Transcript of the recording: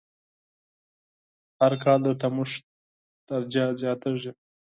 هر کال د تودوخی درجه زیاتیږی